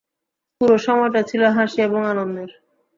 পুরো সময়টা ছিল হাসি এবং আনন্দের!